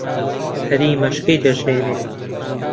پەری مەشکەی دەژێنێ